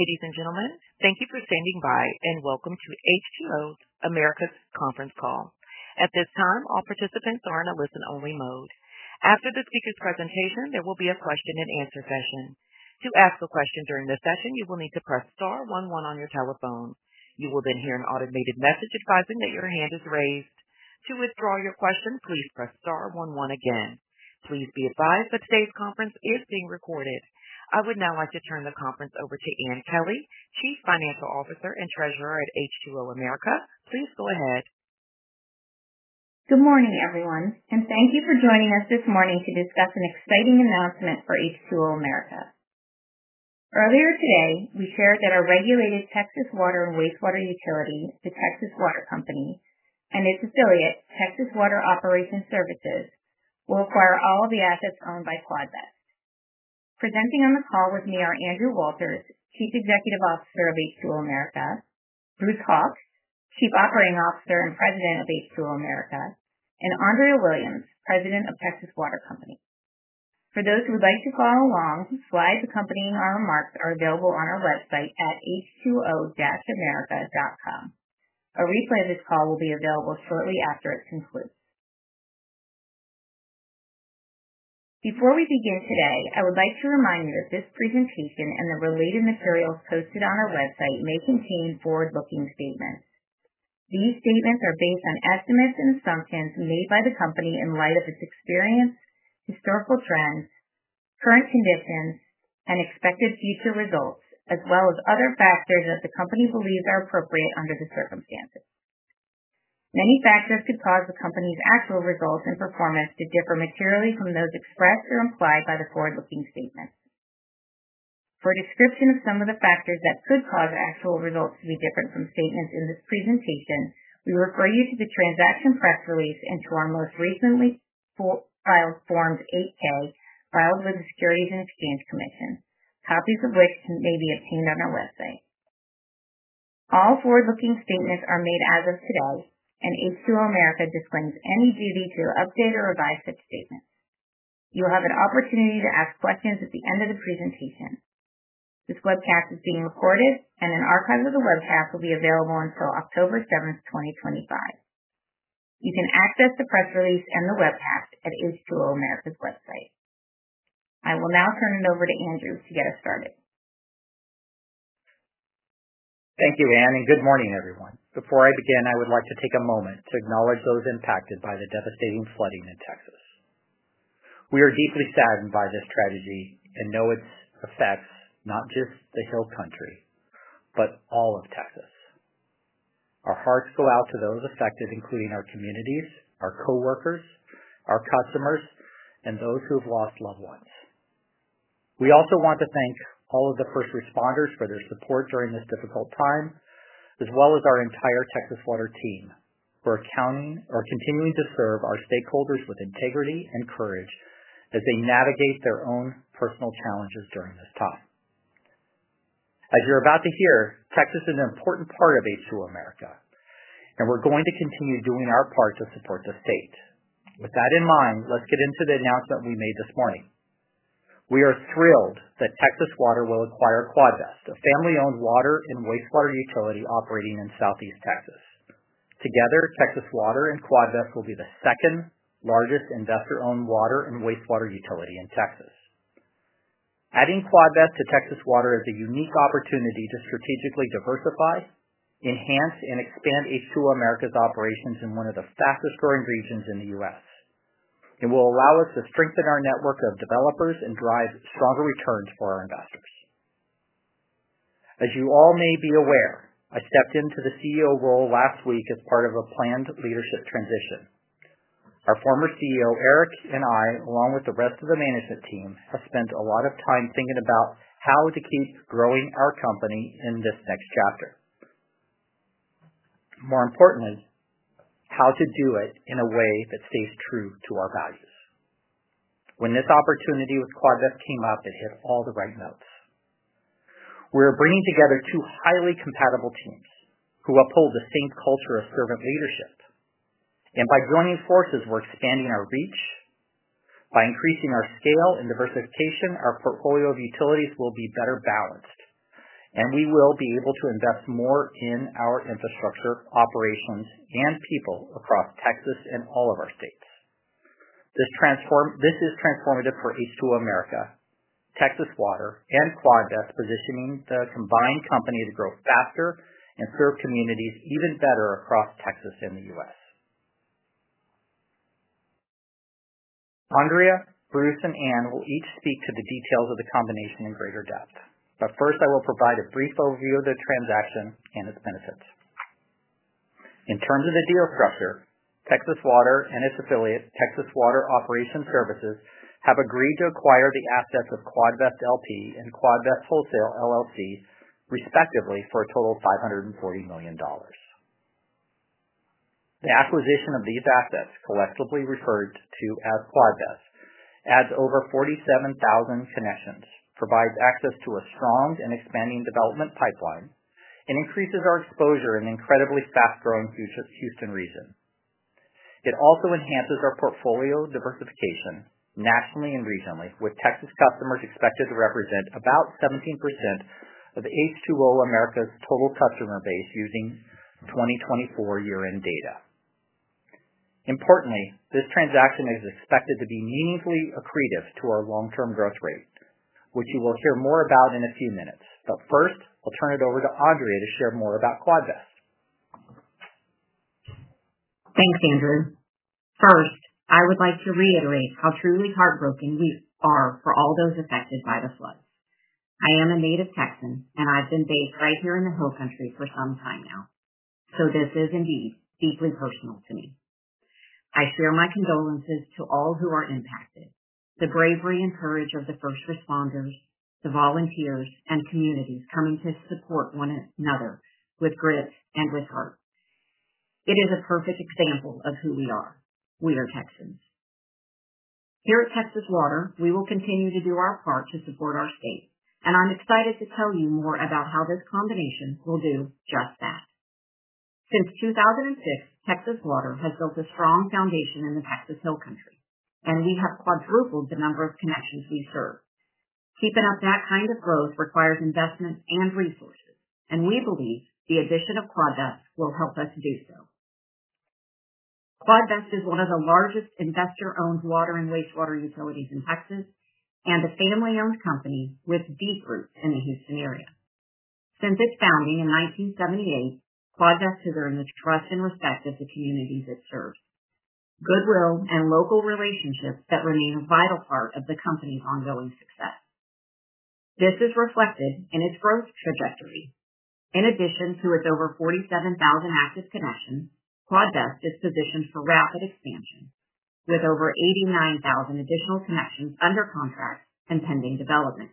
Ladies and gentlemen, thank you for standing by and welcome to H2O America's conference call. At this time, all participants are in a listen-only mode. After the speaker's presentation, there will be a question and answer session. To ask a question during this session, you will need to press star one-one on your telephone. You will then hear an automated message advising that your hand is raised. To withdraw your question, please press star one-one again. Please be advised that today's conference is being recorded. I would now like to turn the conference over to Ann Kelly, Chief Financial Officer and Treasurer at H2O America. Please go ahead. Good morning, everyone, and thank you for joining us this morning to discuss an exciting announcement for H2O America. Earlier today, we shared that our regulated Texas water and wastewater utility, the Texas Water Company and its affiliate, Texas Water Operations Services, will acquire all of the assets owned by Quadvest. Presenting on the call with me are Andrew Walters, Chief Executive Officer of H2O America, Bruce Hauk, Chief Operating Officer and President of H2O America, and Andrea Williams, President of Texas Water Company. For those who would like to follow along, slides accompanying our remarks are available on our website at h2o-america.com. A replay of this call will be available shortly after it concludes. Before we begin today, I would like to remind you that this presentation and the related materials posted on our website may contain forward-looking statements. These statements are based on estimates and assumptions made by the company in light of its experience, historical trends, current conditions, and expected future results, as well as other factors that the company believes are appropriate under the circumstances. Many factors could cause the company's actual results and performance to differ materially from those expressed or implied by the forward-looking statements. For a description of some of the factors that could cause actual results to be different from statements in this presentation, we refer you to the transaction press release and to our most recently filed Form 8-K filed with the Securities and Exchange Commission, copies of which may be obtained on our website. All forward-looking statements are made as of today, and H2O America disclaims any duty to update or revise such statements. You will have an opportunity to ask questions at the end of the presentation. This webcast is being recorded, and an archive of the webcast will be available until October 7, 2025. You can access the press release and the webcast at H2O America's website. I will now turn it over to Andrew to get us started. Thank you, Ann, and good morning, everyone. Before I begin, I would like to take a moment to acknowledge those impacted by the devastating flooding in Texas. We are deeply saddened by this tragedy and know it affects not just the Hill Country, but all of Texas. Our hearts go out to those affected, including our communities, our coworkers, our customers, and those who have lost loved ones. We also want to thank all of the first responders for their support during this difficult time, as well as our entire Texas Water team for continuing to serve our stakeholders with integrity and courage as they navigate their own personal challenges during this time. As you're about to hear, Texas is an important part of H2O America, and we're going to continue doing our part to support the state. With that in mind, let's get into the announcement we made this morning. We are thrilled that Texas Water will acquire Quadvest, a family-owned water and wastewater utility operating in Southeast Texas. Together, Texas Water and Quadvest will be the second largest investor-owned water and wastewater utility in Texas. Adding Quadvest to Texas Water is a unique opportunity to strategically diversify, enhance, and expand H2O America's operations in one of the fastest-growing regions in the U.S. It will allow us to strengthen our network of developers and drive stronger returns for our investors. As you all may be aware, I stepped into the CEO role last week as part of a planned leadership transition. Our former CEO, Eric, and I, along with the rest of the management team, have spent a lot of time thinking about how to keep growing our company in this next chapter. More importantly, how to do it in a way that stays true to our values. When this opportunity with Quadvest came up, it hit all the right notes. We're bringing together two highly compatible teams who uphold the same culture of servant leadership. By joining forces, we're expanding our reach. By increasing our scale and diversification, our portfolio of utilities will be better balanced, and we will be able to invest more in our infrastructure, operations, and people across Texas and all of our states. This is transformative for H2O America, Texas Water, and Quadvest, positioning the combined company to grow faster and serve communities even better across Texas and the U.S. Andrea, Bruce, and Ann will each speak to the details of the combination in greater depth. First, I will provide a brief overview of the transaction and its benefits. In terms of the deal structure, Texas Water Company and its affiliate, Texas Water Operations Services, have agreed to acquire the assets of Quadvest LP and Quadvest Wholesale LLC, respectively, for a total of $540 million. The acquisition of these assets, collectively referred to as Quadvest, adds over 47,000 connections, provides access to a strong and expanding development pipeline, and increases our exposure in the incredibly fast-growing Houston region. It also enhances our portfolio diversification nationally and regionally, with Texas customers expected to represent about 17% of H2O America's total customer base using 2024 year-end data. Importantly, this transaction is expected to be meaningfully accretive to our long-term growth rate, which you will hear more about in a few minutes. I'll turn it over to Andrea to share more about Quadvest. Thanks, Andrew. First, I would like to reiterate how truly heartbroken we are for all those affected by the floods. I am a native Texan, and I've been based right here in the Hill Country for some time now. This is indeed deeply personal to me. I share my condolences to all who are impacted, the bravery and courage of the first responders, the volunteers, and communities coming to support one another with grit and with heart. It is a perfect example of who we are. We are Texans. Here at Texas Water Company, we will continue to do our part to support our state, and I'm excited to tell you more about how this combination will do just that. Since 2006, Texas Water Company has built a strong foundation in the Texas Hill Country, and we have quadrupled the number of connections we serve. Keeping up that kind of growth requires investments and resources, and we believe the addition of Quadvest will help us do so. Quadvest is one of the largest investor-owned water and wastewater utilities in Texas and a family-owned company with deep roots in the Houston area. Since its founding in 1978, Quadvest has earned the trust and respect of the communities it serves, goodwill, and local relationships that remain a vital part of the company's ongoing success. This is reflected in its growth trajectory. In addition to its over 47,000 active connections, Quadvest is positioned for rapid expansion, with over 89,000 additional connections under contract and pending development.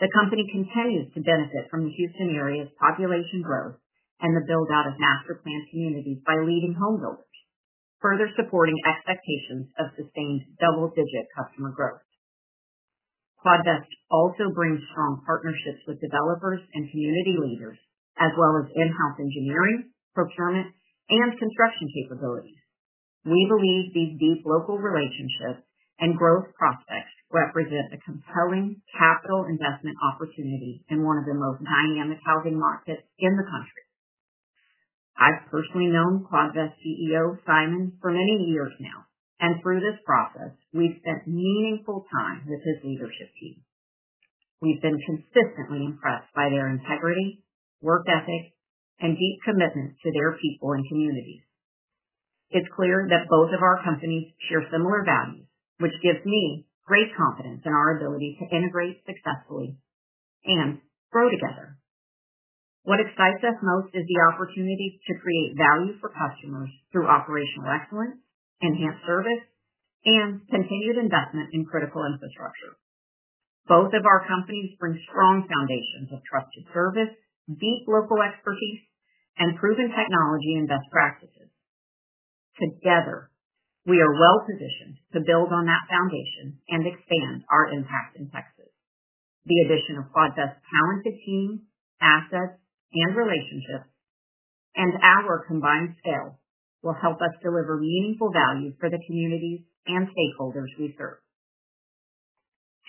The company continues to benefit from the Houston area's population growth and the build-out of master plan communities by leading home builders, further supporting expectations of sustained double-digit customer growth. Quadvest also brings strong partnerships with developers and community leaders, as well as in-house engineering, procurement, and construction capabilities. We believe these deep local relationships and growth prospects represent a compelling capital investment opportunity in one of the most dynamic housing markets in the country. I've personally known Quadvest CEO, Simon, for many years now, and through this process, we've spent meaningful time with his leadership team. We've been consistently impressed by their integrity, work ethic, and deep commitment to their people and communities. It's clear that both of our companies share similar values, which gives me great confidence in our ability to integrate successfully and grow together. What excites us most is the opportunity to create value for customers through operational excellence, enhanced service, and continued investment in critical infrastructure. Both of our companies bring strong foundations of trusted service, deep local expertise, and proven technology and best practices. Together, we are well-positioned to build on that foundation and expand our impact in Texas. The addition of Quadvest's talented team, assets, and relationships, and our combined scale will help us deliver meaningful value for the communities and stakeholders we serve.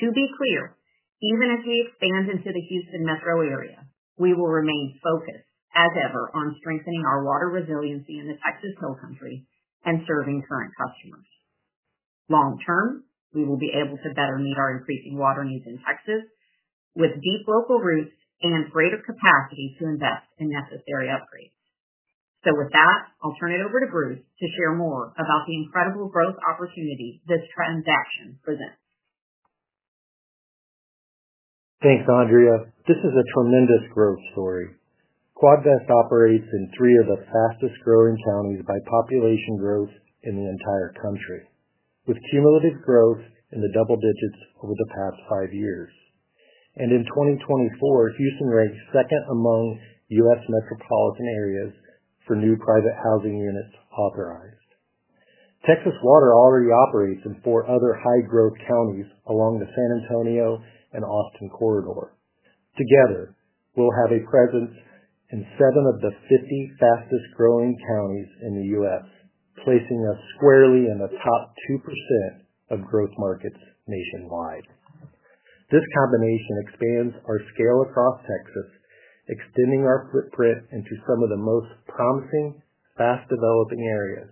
To be clear, even as we expand into the Houston metro area, we will remain focused, as ever, on strengthening our water resiliency in the Texas Hill Country and serving current customers. Long-term, we will be able to better meet our increasing water needs in Texas with deep local roots and greater capacity to invest in necessary upgrades. I'll turn it over to Bruce to share more about the incredible growth opportunity this transaction presents. Thanks, Andrea. This is a tremendous growth story. Quadvest operates in three of the fastest-growing counties by population growth in the entire country, with cumulative growth in the double digits over the past five years. In 2024, Houston ranks second among U.S. metropolitan areas for new private housing units authorized. Texas Water already operates in four other high-growth counties along the San Antonio and Austin corridor. Together, we'll have a presence in seven of the 50 fastest-growing counties in the U.S., placing us squarely in the top 2% of growth markets nationwide. This combination expands our scale across Texas, extending our footprint into some of the most promising, fast-developing areas.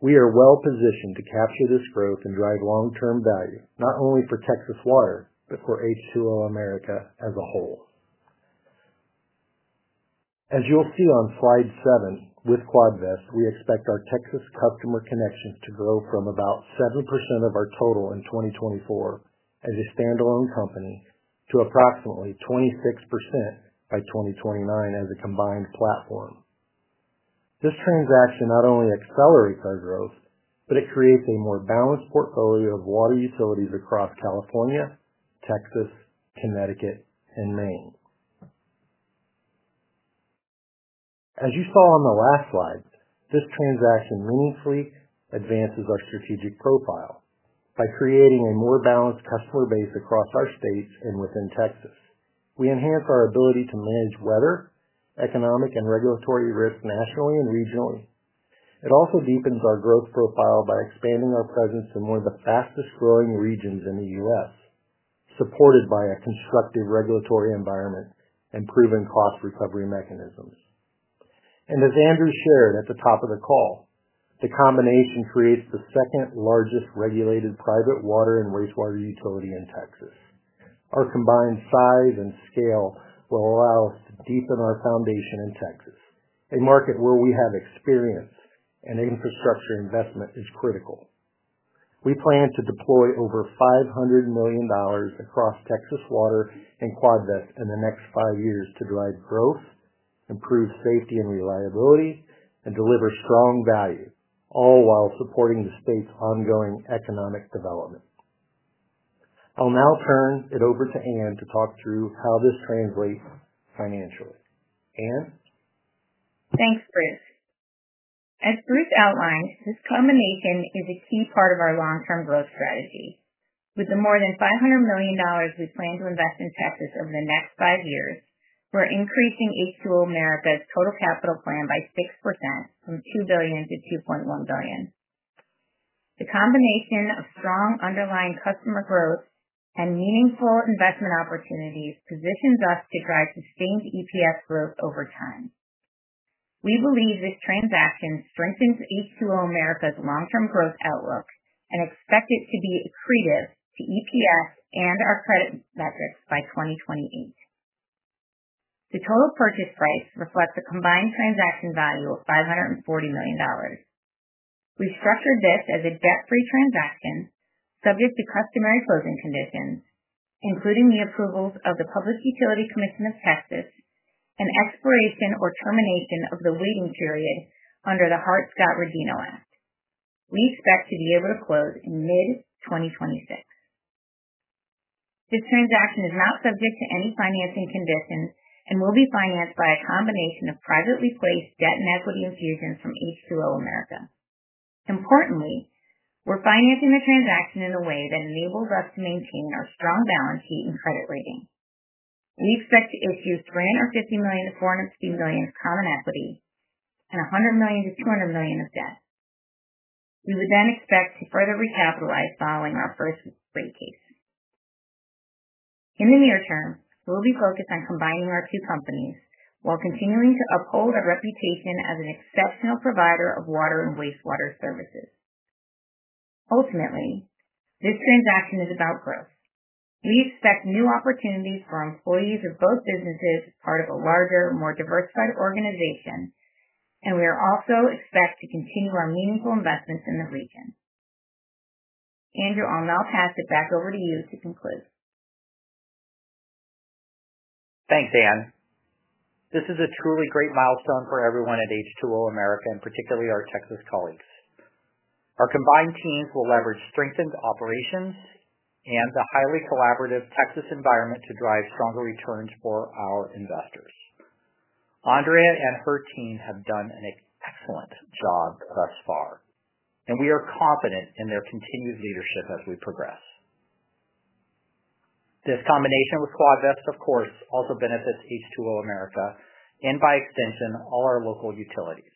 We are well-positioned to capture this growth and drive long-term value, not only for Texas Water, but for H2O America as a whole. As you'll see on slide seven, with Quadvest, we expect our Texas customer connections to grow from about 7% of our total in 2024 as a standalone company to approximately 26% by 2029 as a combined platform. This transaction not only accelerates our growth, it creates a more balanced portfolio of water utilities across California, Texas, Connecticut, and Maine. As you saw on the last slide, this transaction meaningfully advances our strategic profile by creating a more balanced customer base across our states and within Texas. We enhance our ability to manage weather, economic, and regulatory risk nationally and regionally. It also deepens our growth profile by expanding our presence in one of the fastest-growing regions in the U.S., supported by a constructive regulatory environment and proven cost recovery mechanisms. As Andrew shared at the top of the call, the combination creates the second largest regulated private water and wastewater utility in Texas. Our combined size and scale will allow us to deepen our foundation in Texas, a market where we have experience, and infrastructure investment is critical. We plan to deploy over $500 million across Texas Water and Quadvest in the next five years to drive growth, improve safety and reliability, and deliver strong value, all while supporting the state's ongoing economic development. I'll now turn it over to Ann to talk through how this translates financially. Ann? Thanks, Bruce. As Bruce outlined, this combination is a key part of our long-term growth strategy. With the more than $500 million we plan to invest in Texas over the next five years, we're increasing H2O America's total capital plan by 6% from $2 billion-$2.1 billion. The combination of strong underlying customer growth and meaningful investment opportunities positions us to drive sustained EPS growth over time. We believe this transaction strengthens H2O America's long-term growth outlook and expect it to be accretive to EPS and our credit metrics by 2028. The total purchase price reflects a combined transaction value of $540 million. We structured this as a debt-free transaction subject to customary closing conditions, including the approvals of the Public Utility Commission of Texas and expiration or termination of the waiting period under the Hart-Scott-Rodino Act. We expect to be able to close in mid-2026. This transaction is not subject to any financing conditions and will be financed by a combination of privately placed debt and equity infusion from H2O America. Importantly, we're financing the transaction in a way that enables us to maintain our strong balance sheet and credit rating. We expect to issue $350 million-$450 million of common equity and $100 million-$200 million of debt. We would then expect to further recapitalize following our first rate case. In the near term, we'll be focused on combining our two companies while continuing to uphold our reputation as an exceptional provider of water and wastewater services. Ultimately, this transaction is about growth. We expect new opportunities for employees of both businesses as part of a larger, more diversified organization, and we also expect to continue our meaningful investments in the region. Andrew, I'll now pass it back over to you to conclude. Thanks, Ann. This is a truly great milestone for everyone at H2O America, and particularly our Texas colleagues. Our combined teams will leverage strengthened operations and the highly collaborative Texas environment to drive stronger returns for our investors. Andrea and her team have done an excellent job thus far, and we are confident in their continued leadership as we progress. This combination with Quadvest, of course, also benefits H2O America, and by extension, all our local utilities.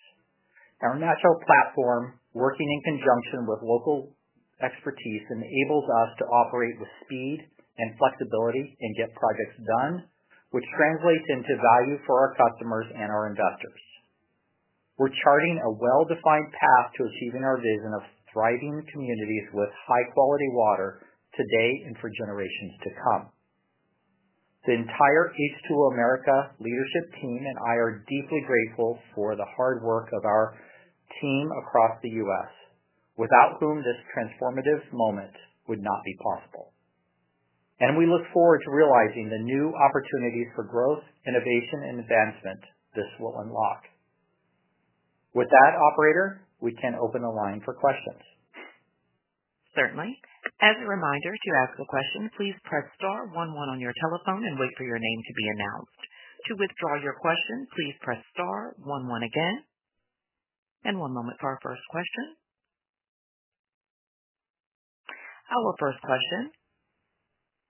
Our natural platform, working in conjunction with local expertise, enables us to operate with speed and flexibility and get projects done, which translates into value for our customers and our investors. We're charting a well-defined path to achieving our vision of thriving communities with high-quality water today and for generations to come. The entire H2O America leadership team and I are deeply grateful for the hard work of our team across the U.S., without whom this transformative moment would not be possible. We look forward to realizing the new opportunities for growth, innovation, and advancement this will unlock. With that, operator, we can open the line for questions. Certainly. As a reminder, to ask a question, please press star one-one on your telephone and wait for your name to be announced. To withdraw your question, please press star one-one again. One moment for our first question. Our first question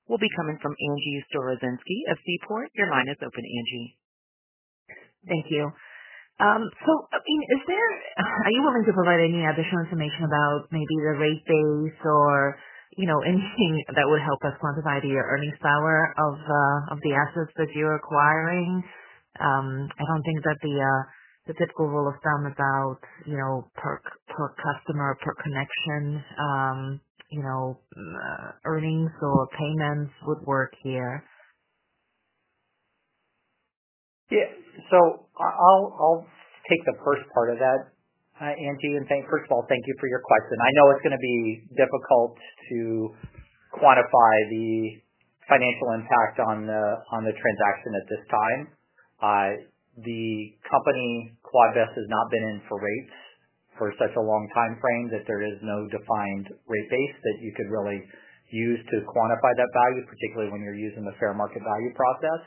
will be coming from Agnieszka Storozynski of Seaport. Your line is open, Agnieszka. Thank you. Is there, are you willing to provide any additional information about maybe the rate base or anything that would help us quantify the earnings power of the assets that you're acquiring? I don't think that the typical rule of thumb is out, per customer or per connection, earnings or payments would work here. Yeah. I'll take the first part of that, Angie, and first of all, thank you for your question. I know it's going to be difficult to quantify the financial impact on the transaction at this time. The company, Quadvest, has not been in for rates for such a long timeframe that there is no defined rate base that you could really use to quantify that value, particularly when you're using the fair market value process.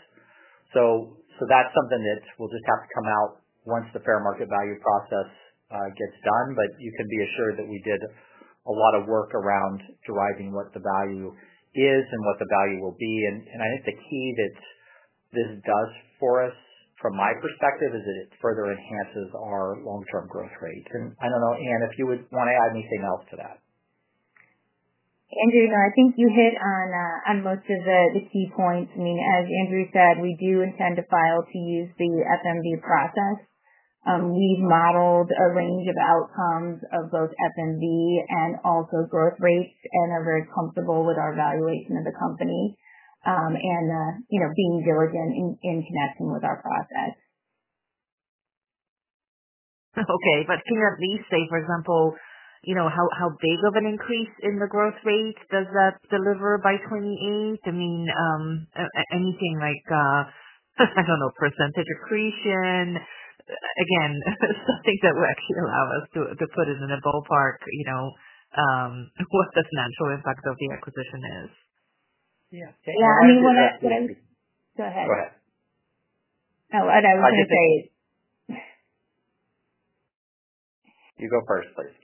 That's something that will just have to come out once the fair market value process gets done. You can be assured that we did a lot of work around deriving what the value is and what the value will be. I think the key that this does for us, from my perspective, is that it further enhances our long-term growth rate. I don't know, Ann, if you would want to add anything else to that. No, I think you hit on most of the key points. I mean, as Andrew Walters said, we do intend to file to use the FMV process. We've modeled a range of outcomes of both FMV and also growth rates and are very comfortable with our evaluation of the company, and, you know, being diligent in connecting with our process. Okay. Can you at least say, for example, how big of an increase in the growth rate does that deliver by 2028? I mean, anything like, I don't know, percentage accretion? Again, something that would actually allow us to put it in the ballpark, what the financial impact of the acquisition is. Yeah, when I was. Go ahead. Go ahead. Oh, I was going to say. You go first, please.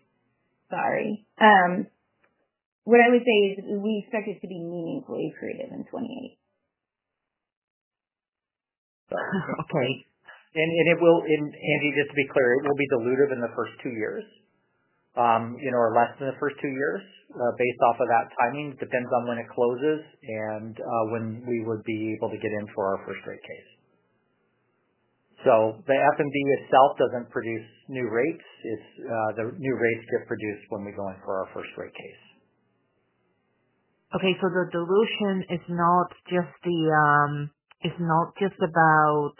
What I would say is we expect it to be meaningfully accretive in 2028. Okay. Agnie, just to be clear, it will be dilutive in the first two years, or less than the first two years based off of that timing. It depends on when it closes and when we would be able to get in for our first rate case. The FMV itself doesn't produce new rates. The new rates get produced when we go in for our first rate case. Okay. The dilution is not just about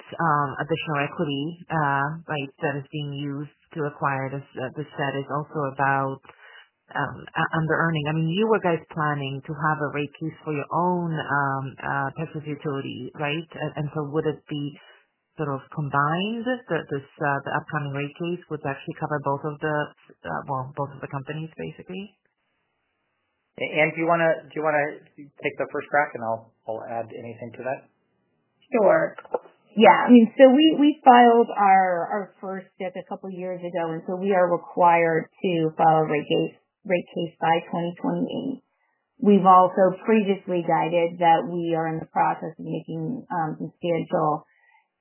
additional equity, right, that is being used to acquire this set? It's also about under earning. I mean, you were planning to have a rate case for your own Texas utility, right? Would it be sort of combined? The upcoming rate case would actually cover both of the, well, both of the companies, basically? Ann, do you want to take the first track? I'll add anything to that. Sure. Yeah. I mean, we filed our first step a couple of years ago, and we are required to file a rate case by 2028. We've also previously guided that we are in the process of making substantial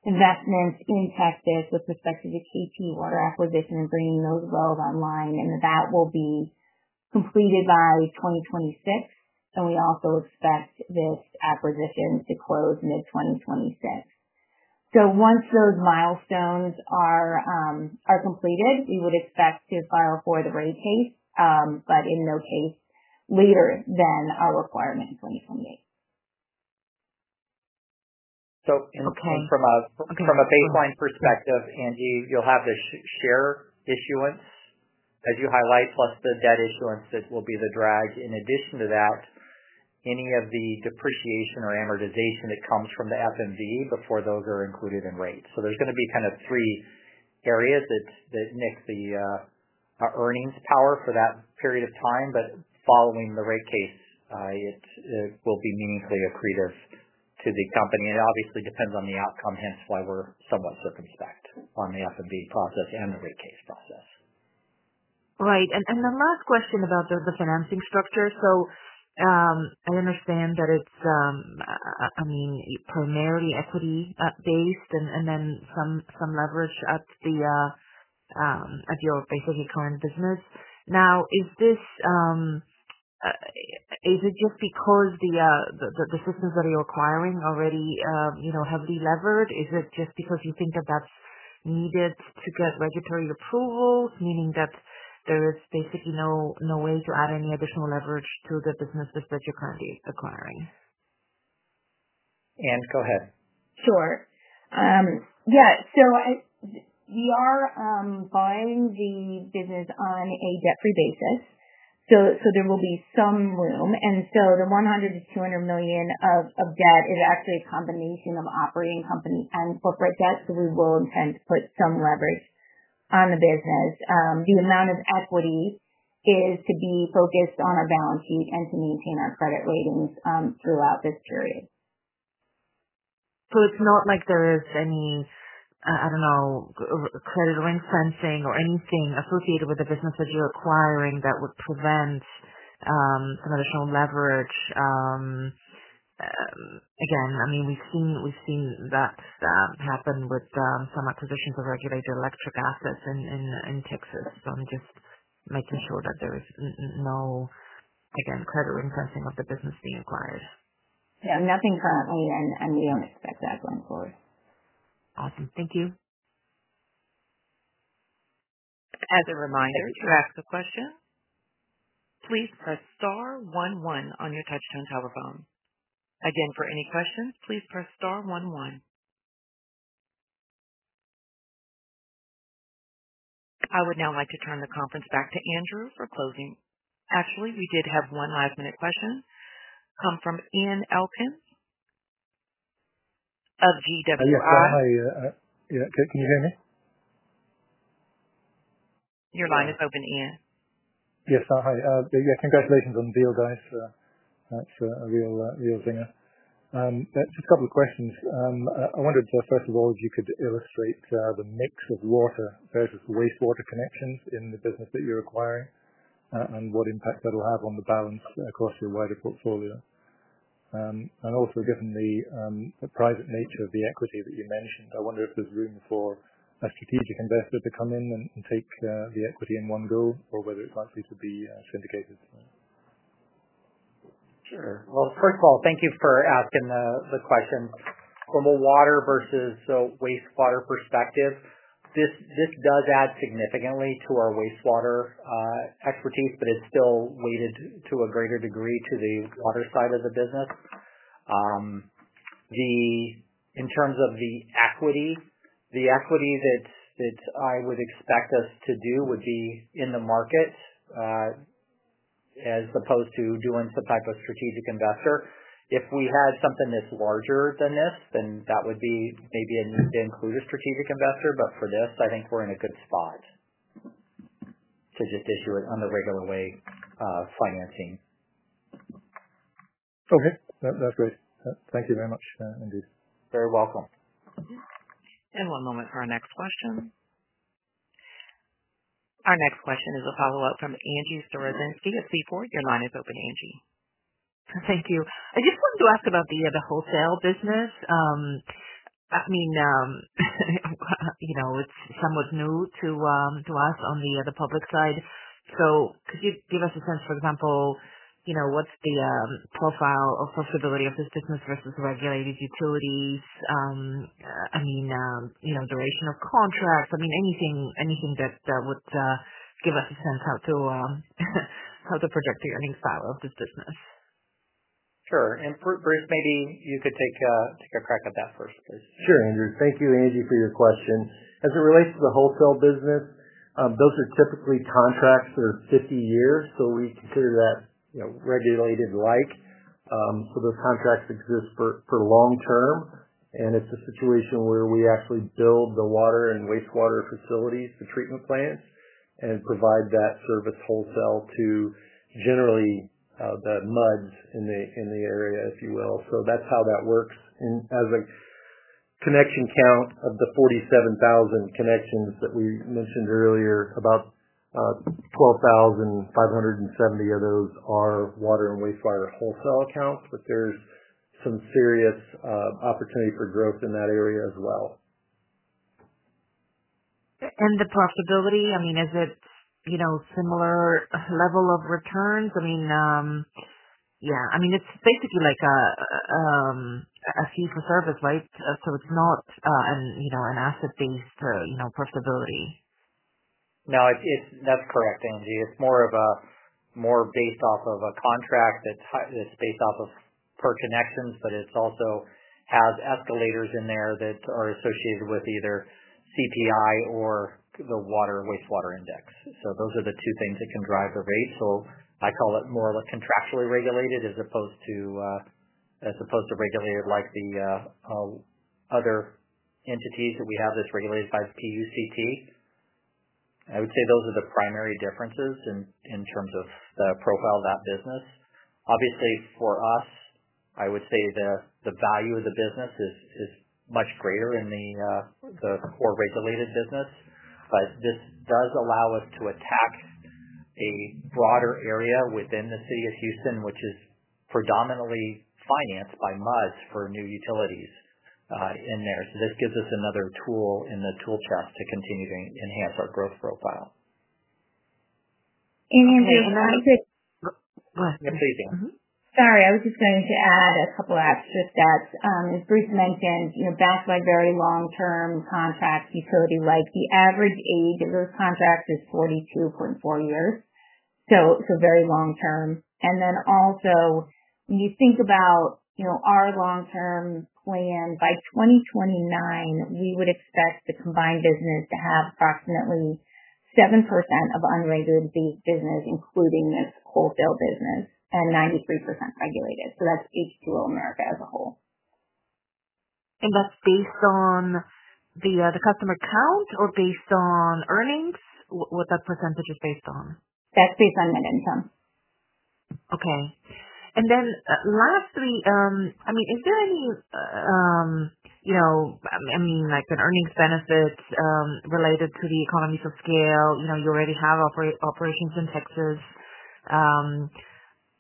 investments in Texas with respect to the KP Water acquisition and bringing those wells online. That will be completed by 2026. We also expect this acquisition to close mid-2026. Once those milestones are completed, we would expect to file for the rate case, but in no case later than our requirement in 2028. From a baseline perspective, Angie, you'll have the share issuance as you highlight, plus the debt issuance that will be the drag. In addition to that, any of the depreciation or amortization that comes from the FMV before those are included in rates. There are going to be kind of three areas that nick the earnings power for that period of time. Following the rate case, it will be meaningfully accretive to the company. It obviously depends on the outcome, hence why we're somewhat circumspect on the FMV process and the rate case process. Right. The last question about the financing structure. I understand that it's primarily equity-based and then some leverage at your basically current business. Is it just because the systems that you're acquiring are already heavily levered? Is it just because you think that that's needed to get regulatory approval, meaning that there is basically no way to add any additional leverage to the businesses that you're currently acquiring? Ann, go ahead. Sure. Yeah. We are buying the business on a debt-free basis, so there will be some room. The $100 million-$200 million of debt is actually a combination of operating company and corporate debt. We will intend to put some leverage on the business. The amount of equity is to be focused on our balance sheet and to maintain our credit ratings throughout this period. It is not like there is any credit or incenting or anything associated with the business that you're acquiring that would prevent some additional leverage. I mean, we've seen that happen with some acquisitions of regulated electric assets in Texas. I'm just making sure that there is no credit or incenting of the business being acquired. Yeah, nothing currently, and we don't expect that going forward. Awesome. Thank you. As a reminder, to ask a question, please press star one-one on your touch-tone telephone. Again, for any questions, please press star one-one. I would now like to turn the conference back to Andrew for closing. Actually, we did have one last-minute question come from Ian Elkins of GWI. Hi. Yeah. Can you hear me? Your line is open, Ian. Yes. Hi. Yeah. Congratulations on the deal, guys. That's a real, real zinger. Just a couple of questions. I wondered, first of all, if you could illustrate the mix of water versus wastewater connections in the business that you're acquiring and what impact that will have on the balance across your wider portfolio. Also, given the private nature of the equity that you mentioned, I wonder if there's room for a strategic investor to come in and take the equity in one go or whether it's likely to be syndicated. Sure. First of all, thank you for asking the question. From a water versus wastewater perspective, this does add significantly to our wastewater expertise, but it's still weighted to a greater degree to the water side of the business. In terms of the equity, the equity that I would expect us to do would be in the market as opposed to doing some type of strategic investor. If we had something that's larger than this, then that would be maybe a need to include a strategic investor. For this, I think we're in a good spot to just issue it under regular way of financing. Okay, that's great. Thank you very much, indeed. Very welcome. One moment for our next question. Our next question is a follow-up from Agnieszka Storozynski of Seaport. Your line is open, Angie. Thank you. I just wanted to ask about the wholesale business. It's somewhat new to us on the public side. Could you give us a sense, for example, what's the profile or profitability of this business versus regulated utilities? Duration of contracts or anything that would give us a sense of how to project the earnings power of this business. Sure. Bruce, maybe you could take a crack at that first, please. Sure, Andrew. Thank you, Angie, for your question. As it relates to the wholesale business, those are typically contracts that are 50 years. We consider that, you know, regulated-like. Those contracts exist for long term. It's a situation where we actually build the water and wastewater facilities, the treatment plants, and provide that service wholesale to generally the MUDs in the area, if you will. That's how that works. As a connection count of the 47,000 connections that we mentioned earlier, about 12,570 of those are water and wastewater wholesale accounts. There's some serious opportunity for growth in that area as well. The profitability, I mean, is it, you know, a similar level of returns? I mean, yeah. I mean, it's basically like a fee for service, right? It's not an asset-based, you know, profitability. No, that's correct, Angie. It's more based off of a contract that's based off of per connections, but it also has escalators in there that are associated with either CPI or the water wastewater index. Those are the two things that can drive the rate. I call it more like contractually regulated as opposed to regulated like the other entities that we have that's regulated by PUC. I would say those are the primary differences in terms of the profile of that business. Obviously, for us, I would say that the value of the business is much greater in the core regulated business. This does allow us to attack a broader area within the city of Houston, which is predominantly financed by MUDs for new utilities in there. This gives us another tool in the tool chest to continue to enhance our growth profile. And Andrew. I would just. Go ahead. Please go ahead. I was just going to add a couple of abstract stats. As Bruce Hauk mentioned, you know, backed by very long-term contract utility-like, the average age of those contracts is 42.4 years. Very long term. Also, when you think about our long-term plan, by 2029, we would expect the combined business to have approximately 7% of unregulated business, including this wholesale business, and 93% regulated. That's H2O America as a whole. Is that based on the customer count or based on earnings? What is that percentage based on? That's based on net income. Okay. Lastly, is there any, you know, like an earnings benefit related to the economies of scale? You already have operations in Texas.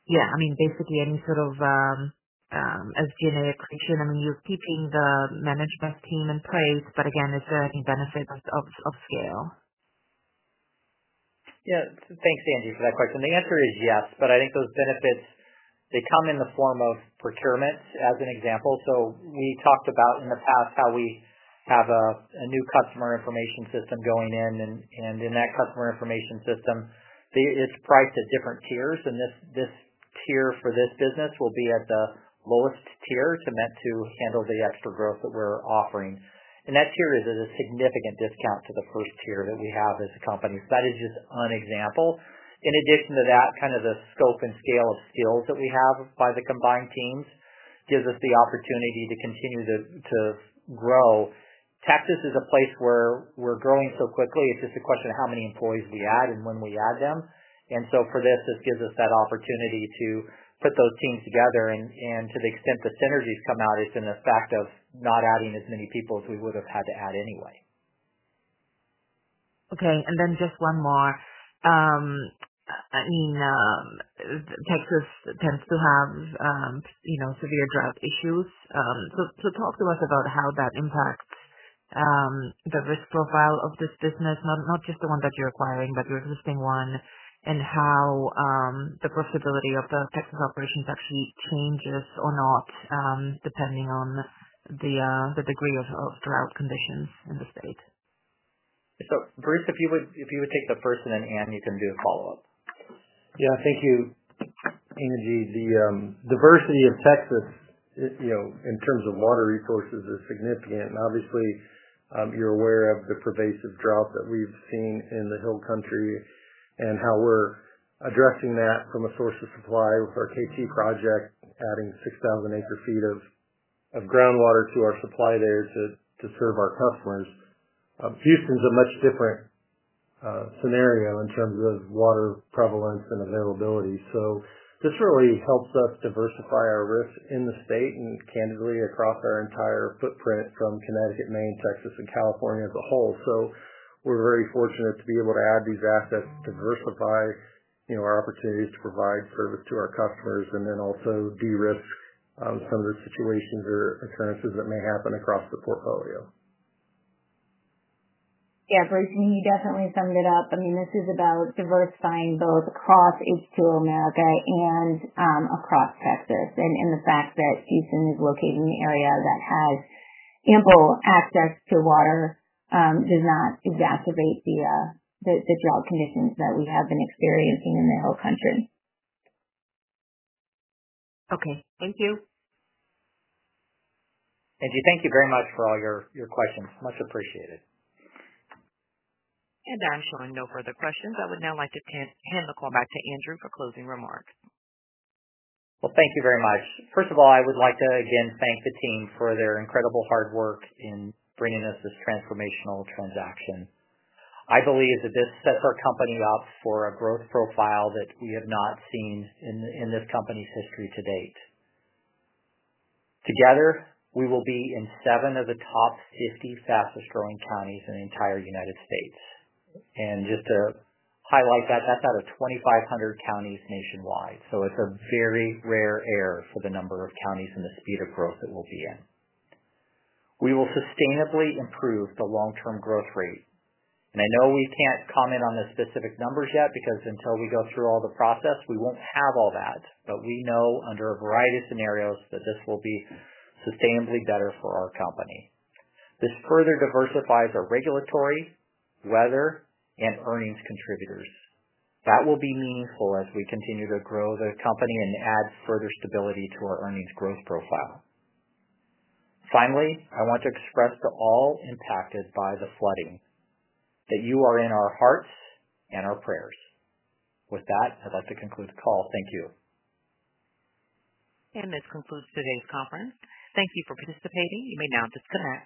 Basically, any sort of SG&A accretion. You're keeping the management team in place. Again, is there any benefit of scale? Yeah. Thanks, Agnie, for that question. The answer is yes, but I think those benefits come in the form of procurement, as an example. We talked about in the past how we have a new customer information system going in. In that customer information system, it's priced at different tiers. This tier for this business will be at the lowest tier to handle the extra growth that we're offering. That tier is at a significant discount to the first tier that we have as a company. That is just an example. In addition to that, the scope and scale of skills that we have by the combined teams gives us the opportunity to continue to grow. Texas is a place where we're growing so quickly, it's just a question of how many employees we add and when we add them. For this, this gives us that opportunity to put those teams together. To the extent that synergies come out, it's been the fact of not adding as many people as we would have had to add anyway. Okay. Just one more. Texas tends to have severe drought issues. Talk to us about how that impacts the risk profile of this business, not just the one that you're acquiring, but your existing one, and how the profitability of the Texas operations actually changes or not depending on the degree of drought conditions in the state. Bruce, if you would take the first, and then Ann, you can do a follow-up. Thank you, Angie. The diversity of Texas, you know, in terms of water resources is significant. Obviously, you're aware of the pervasive drought that we've seen in the Hill Country and how we're addressing that from a source of supply with our KT project, adding 6,000 acre-feet of groundwater to our supply there to serve our customers. Houston's a much different scenario in terms of water prevalence and availability. This really helps us diversify our risk in the state and candidly across our entire footprint from Connecticut, Maine, Texas, and California as a whole. We're very fortunate to be able to add these assets to diversify, you know, our opportunities to provide service to our customers and then also de-risk some of the situations or occurrences that may happen across the portfolio. Yeah, Bruce. You definitely summed it up. This is about diversifying both across H2O America and across Texas. The fact that Houston is located in an area that has ample access to water does not exacerbate the drought conditions that we have been experiencing in the Hill Country. Okay, thank you. Agnie, thank you very much for all your questions. Much appreciated. I'm showing no further questions. I would now like to hand the call back to Andrew for closing remarks. Thank you very much. First of all, I would like to again thank the team for their incredible hard work in bringing us this transformational transaction. I believe that this sets our company up for a growth profile that we have not seen in this company's history to date. Together, we will be in seven of the top 50 fastest-growing counties in the entire United States. Just to highlight that, that's out of 2,500 counties nationwide. It is a very rare air for the number of counties and the speed of growth that we'll be in. We will sustainably improve the long-term growth rate. I know we can't comment on the specific numbers yet because until we go through all the process, we won't have all that. We know under a variety of scenarios that this will be sustainably better for our company. This further diversifies our regulatory, weather, and earnings contributors. That will be meaningful as we continue to grow the company and add further stability to our earnings growth profile. Finally, I want to express to all impacted by the flooding that you are in our hearts and our prayers. With that, I'd like to conclude the call. Thank you. This concludes today's conference. Thank you for participating. You may now disconnect.